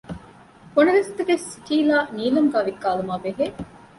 ފުނަގަސްތަކެއް ސިޓީލާ ނީލަމުގައި ވިއްކާލުމާއިބެހޭ